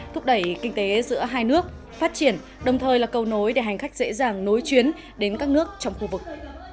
thúc đẩy kinh tế giữa hai nước phát triển đồng thời là cầu nối để hành khách dễ dàng nối chuyến đến các nước trong khu vực